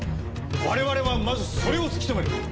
我々はまずそれを突き止める！